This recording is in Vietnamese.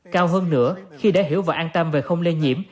cao hơn nữa khi để hiểu và an tâm về không lây nhiễm